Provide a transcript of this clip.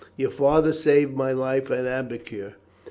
Your father saved my life at Aboukir.